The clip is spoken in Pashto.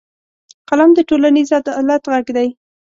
قلم د ټولنیز عدالت غږ دی